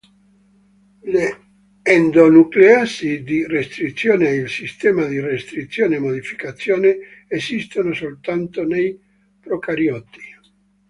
Le endonucleasi di restrizione e il sistema di restrizione-modificazione esistono soltanto nei procarioti.